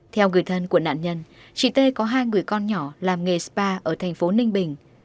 theo người thân của nạn nhân chị tê có hai người con nhỏ làm nghề spa ở thành phố ninh bình